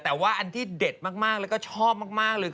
แต่ว่าอันที่เด็ดมากแล้วก็ชอบมากเลย